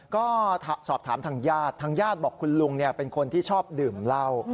ก็สอบถามทางญาติทางญาติบอกคุณลุงเป็นคนที่ชอบดื่มเหล้า